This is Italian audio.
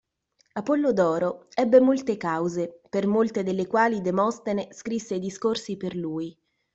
Apollodoro ebbe molte cause, per molte delle quali Demostene scrisse i discorsi per lui.